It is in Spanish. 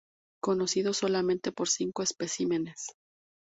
Conocido solamente por cinco especímenes.